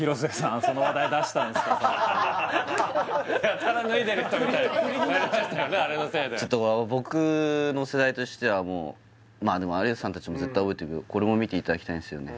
あれのせいでちょっと僕の世代としてはもうでも有吉さん達も絶対覚えてるけどこれも見ていただきたいんですよね